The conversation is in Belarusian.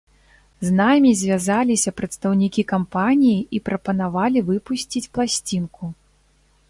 З намі звязаліся прадстаўнікі кампаніі і прапанавалі выпусціць пласцінку.